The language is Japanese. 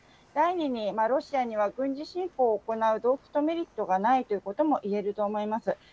第２に、ロシアには軍事侵攻を行う動機とメリットがないということも言えると思います。